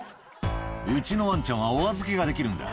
うちのワンちゃんはお預けができるんだ。